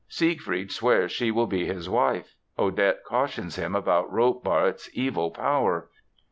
Siegfried swears she will be his wife. Odette cautions him about Rotbart's evil power.